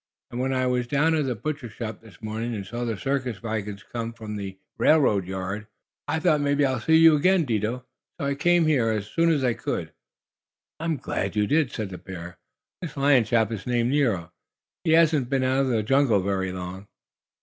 "And when I was down at the butcher shop this morning and saw the circus wagons come from the railroad yard," went on Don, "I thought maybe I'd see you again, Dido. So I came here as soon as I could." "I'm glad you did," said the bear. "This lion chap is named Nero. He hasn't been out of the jungle very long."